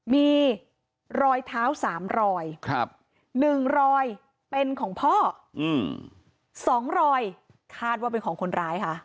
มีรอยเท้า๓รอย๑รอยเป็นของพ่อ๒รอยคาดว่าเป็นของคนร้ายค่ะ